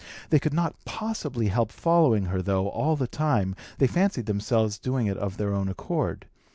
They could not possibly help following her, though, all the time, they fancied themselves doing it of their own accord.